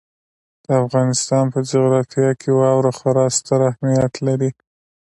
د افغانستان په جغرافیه کې واوره خورا ستر اهمیت لري.